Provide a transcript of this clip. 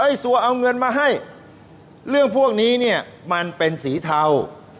ซัวเอาเงินมาให้เรื่องพวกนี้เนี่ยมันเป็นสีเทา